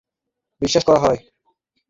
তিনি অদৃশ্য হয়ে গেছেন বলে বিশ্বাস করা হয়।